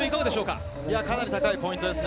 かなり高いポイントです。